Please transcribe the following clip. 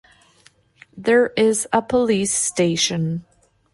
There is a Police Station.